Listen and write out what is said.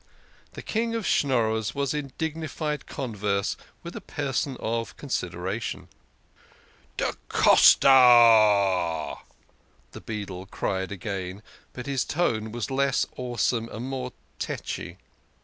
The King of Schnorrers was in dignified converse with a person of consideration. " Da Costa !" the beadle cried again, but his tone was less awesome and more tetchy.